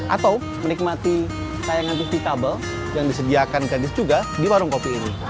atau menikmati tayangan tiktok yang disediakan jenis juga di warung kopi ini